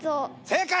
正解！